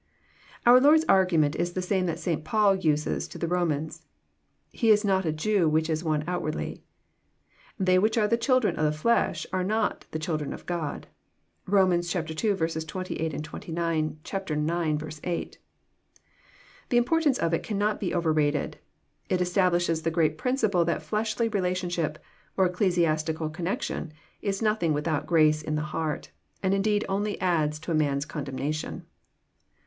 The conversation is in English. Our Lord's argument is the same that St. Paul uses to the Romans. "He is not a Jew which is one outwardly." —" They which are the children of the flesh are not the children of God." (Rom. ii. 28, 29 ; Ix. 8.) The importance of it cannot be over rated. It establishes the great principle that fleshly relation ship, or ecclesiastical connection, is nothing without grace in the heart, and indeed only adds to a man's condemnation.